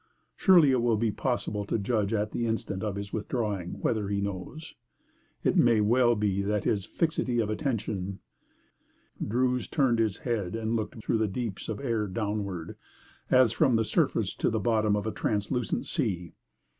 Surely it will be possible to judge at the instant of his withdrawing whether he knows. It may well be that his fixity of attention Druse turned his head and looked through the deeps of air downward as from the surface of the bottom of a translucent sea.